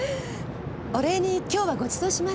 お礼にきょうはごちそうしますよ。